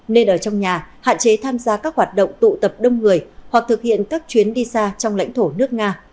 nên ở trong nhà hạn chế tham gia các hoạt động tụ tập đông người hoặc thực hiện các chuyến đi xa trong lãnh thổ nước nga